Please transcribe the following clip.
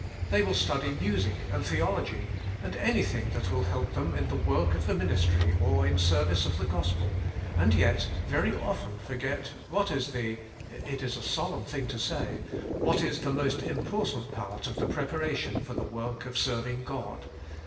They will study music and theolog y and anything that will help them in the work of the ministry or in service of the gospel and yet very often forget what is the — it is a solemn thing to say — what is the most important part of the preparation for the work of serving God.